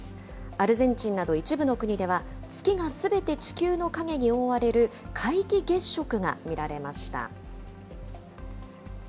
アルゼンチンなど、一部の国では、月がすべて地球の影に覆われる皆既月食が見られました。